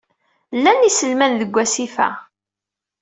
Llan yiselman deg wasif-a.